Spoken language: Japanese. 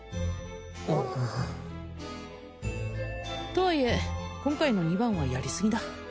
ああとはいえ今回の二番はやりすぎだ